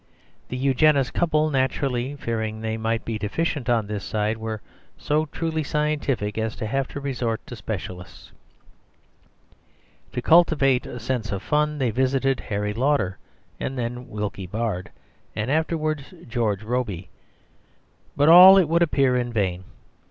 The Eugenist couple, naturally fearing they might be deficient on this side, were so truly scientific as to have resort to specialists. To cultivate a sense of fun, they visited Harry Lauder, and then Wilkie Bard, and afterwards George Robey; but all, it would appear, in vain.